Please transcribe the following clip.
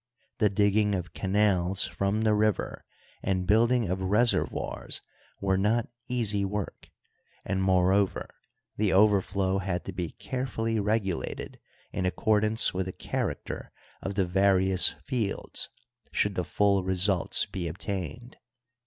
The digging of canals from the river and building of reservoirs were not easy work ; and, moreover, the overflow had to be carefully regulated in accordance with the character of the various fields, should the full results be obtained.